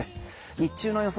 日中の予想